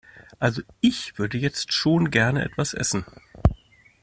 Also ich würde jetzt schon gerne etwas essen.